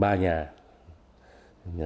các doanh nghiệp nông nghiệp